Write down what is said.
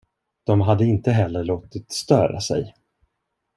De hade inte heller låtit störa sig.